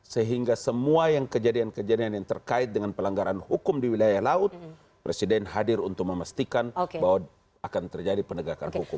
sehingga semua yang kejadian kejadian yang terkait dengan pelanggaran hukum di wilayah laut presiden hadir untuk memastikan bahwa akan terjadi penegakan hukum